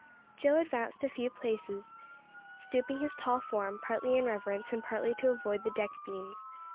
Joe advanced a few paces, stooping his tall form, partly in reverence and partly to avoid the deck beams.